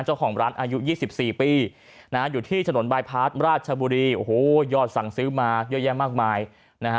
เจ้าของร้านอายุ๒๔ปีนะฮะอยู่ที่ถนนบายพาร์ทราชบุรีโอ้โหยอดสั่งซื้อมาเยอะแยะมากมายนะฮะ